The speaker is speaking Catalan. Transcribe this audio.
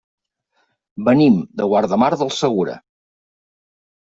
Venim de Guardamar del Segura.